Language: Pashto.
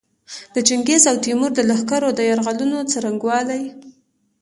د چنګیز او تیمور د لښکرو د یرغلونو څرنګوالي.